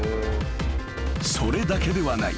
［それだけではない］